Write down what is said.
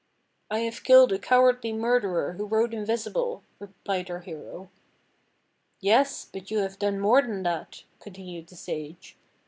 "I have killed a cowardly murderer who rode invisible," replied our hero. "Yes, but you have done more than that," continued the Sage.